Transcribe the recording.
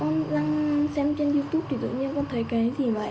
con đang xem trên youtube thì tự nhiên con thấy cái gì vậy